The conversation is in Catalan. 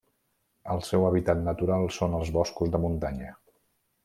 El seu hàbitat natural són els boscos de muntanya.